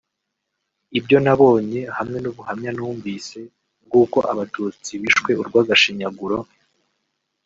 Ibyo nabonye hamwe n’ubuhamya numvise bw’uko Abatutsi bishwe urw’agashinyaguro